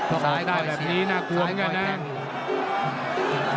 เออถ้าออกได้แบบนี้น่ากลัวมันก็แน่